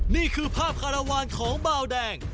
นี่คือภาพคาราวานของเบาแดง